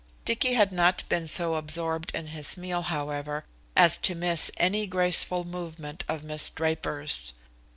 Dicky had not been so absorbed in his meal, however, as to miss any graceful movement of Miss Draper's.